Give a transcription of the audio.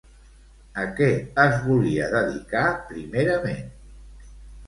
A què es volia dedicar primerament?